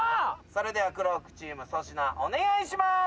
それでは黒服チーム粗品お願いします。